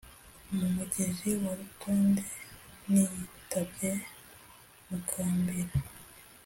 Mu mugezi wa Rutonde nitabye Makambira